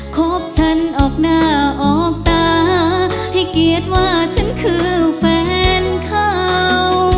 คบฉันออกหน้าออกตาให้เกียรติว่าฉันคือแฟนเขา